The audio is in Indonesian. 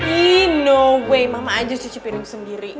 ih no way mama aja cuci piring sendiri